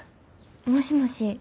もしもし。